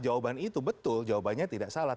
jawaban itu betul jawabannya tidak salah